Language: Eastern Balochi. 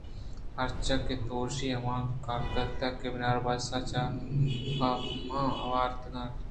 پرچا کہ دوشی ہما کاگد کہ بناربس ءَپہ من آورتگ اَت